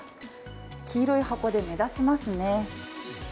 黄色い箱で目立ちますね。